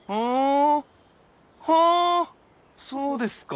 はぁそうですか。